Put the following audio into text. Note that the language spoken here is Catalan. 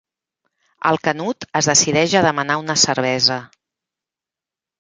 El Canut es decideix a demanar una cervesa.